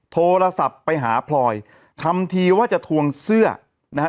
โทรศัพท์ไปหาพลอยทำทีว่าจะทวงเสื้อนะฮะ